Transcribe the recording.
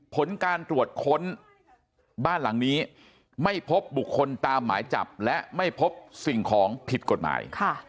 ผลการตรวจค้นบ้านหลังนี้ไม่พบบุคคลตามหมายจับและไม่พบสิ่งของผิดกฎหมาย